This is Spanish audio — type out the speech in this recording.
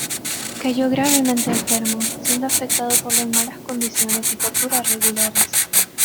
Cayó gravemente enfermo, siendo afectado por las malas condiciones y torturas regulares.